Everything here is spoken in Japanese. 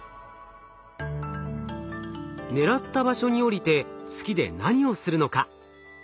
狙った場所に降りて月で何をするのか？